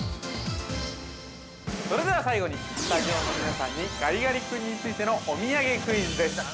◆それでは最後に、スタジオの皆さんに、ガリガリ君についてのお土産クイズです。